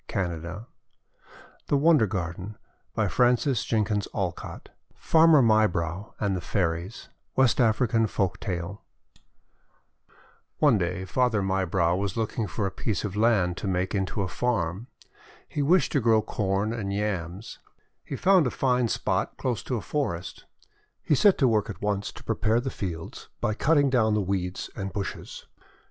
HANS CHRISTIAN ANDERSEN (adapted) 342 THE WONDER GARDEN FARMER MYBROW AND THE FAIRIES West African Folktale ONE day, Farmer Mybrow was looking for a piece of land to make into a farm. He wished to grow Corn and Yams. He found a fine spot close to a forest. He set to work at once to prepare the field by cutting down the weeds and bushes.